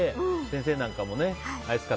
先生なんかもね